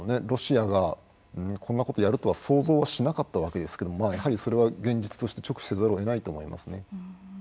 ロシアがこんなことやるとは想像はしなかったわけですけどやはりそれは現実として直視せざるをえないと思いますね。